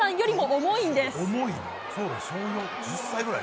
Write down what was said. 重い？